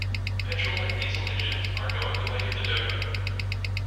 Petrol and Diesel engines are going the way of the dodo.